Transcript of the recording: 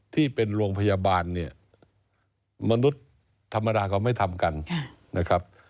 ที่เป็นโรงพยาบาลเนี่ยมนุษย์ธรรมดาก็ไม่ทำกันนะครับ